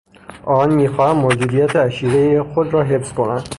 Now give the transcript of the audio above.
آنان میخواهند موجودیت عشیرهای خود را حفظ کنند.